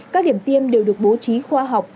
các điểm tiêm đều được bố trí khoa học